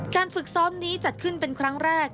ฝึกซ้อมนี้จัดขึ้นเป็นครั้งแรก